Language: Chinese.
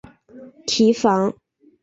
提防